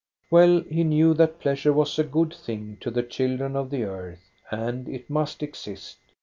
Well he knew that pleasure was a good to the children of the earth, and it must exist.